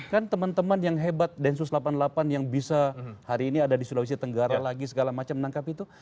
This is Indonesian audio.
kan teman teman yang hebat densus delapan puluh delapan yang bisa hari ini ada di sulawesi tenggara lagi segala macam menangkap itu